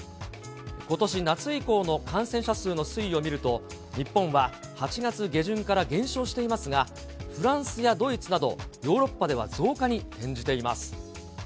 ことし夏以降の感染者数の推移を見ると、日本は８月下旬から減少していますが、フランスやドイツなど、ヨーロッパでは増加に転じています。